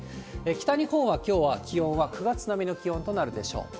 北日本は、きょうは気温は９月並みの気温となるでしょう。